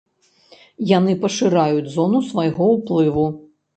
Яны пашыраюць зону свайго ўплыву.